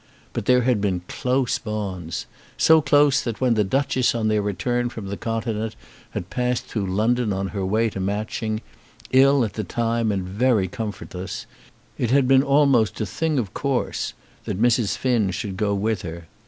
But there had been close bonds, so close that when the Duchess on their return from the Continent had passed through London on her way to Matching, ill at the time and very comfortless, it had been almost a thing of course, that Mrs. Finn should go with her.